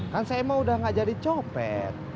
kan saya emang udah gak jadi copet